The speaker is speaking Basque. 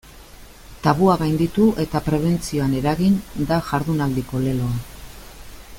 Tabua gainditu eta prebentzioan eragin da jardunaldiko leloa.